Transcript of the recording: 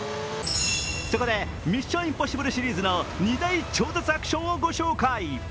そこで「ミッション：インポッシブル」シリーズの２大超絶アクションをご紹介。